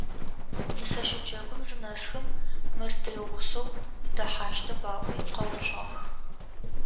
Нысэщэ джэгум зынэсхэм, «Мыр тигъусэу тыдэхьащтэп», - аӏуи къэуцугъэх.